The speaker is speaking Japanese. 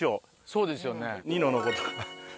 そうですよね。